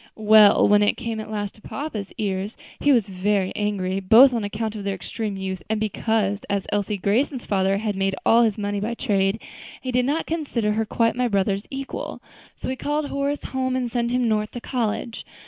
"Well, when it came at last to papa's ears, he was very angry, both on account of their extreme youth, and because, as Elsie Grayson's father had made all his money by trade, he did not consider her quite my brother's equal; so he called Horace home and sent him North to college.